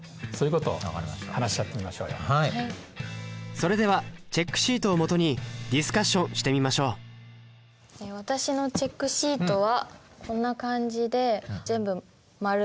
それではチェックシートをもとにディスカッションしてみましょう私のチェックシートはこんな感じで全部○か◎